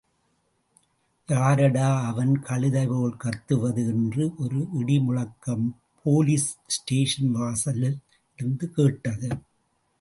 யாரடா அவன் கழுதை போல்கத்துவது என்று ஒரு இடி முழக்கம் போலீஸ் ஸ்டேஷன் வாசலில் இருந்து கேட்டது.